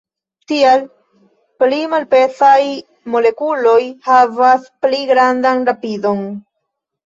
Tial, pli malpezaj molekuloj havas pli grandan rapidon.